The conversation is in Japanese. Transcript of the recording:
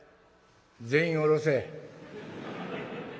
全員下ろせ。